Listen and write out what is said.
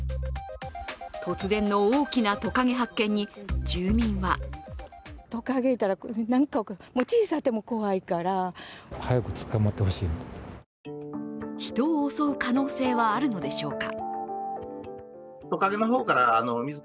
突然の大きなトカゲ発見に、住民は人を襲う可能性はあるのでしょうか。